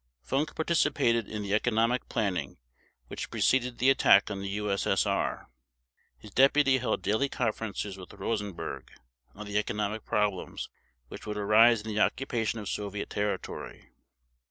Funk participated in the economic planning which preceded the attack on the U.S.S.R. His deputy held daily conferences with Rosenberg on the economic problems which would arise in the occupation of Soviet territory.